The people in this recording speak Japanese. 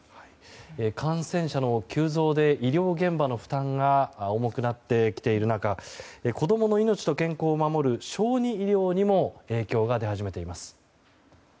感染者の急増で医療現場の負担が重くなってきている中子供の命と健康を守る小児医療にも影響が出始めています。